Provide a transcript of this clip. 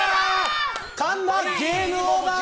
神田、ゲームオーバー！